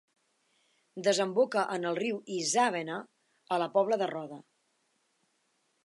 Desemboca en el riu Isàvena a la Pobla de Roda.